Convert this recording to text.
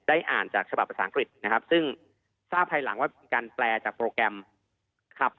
อ่านจากฉบับภาษาอังกฤษนะครับซึ่งทราบภายหลังว่าเป็นการแปลจากโปรแกรมครับ